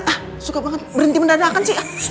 ah suka banget berhenti mendadakan sih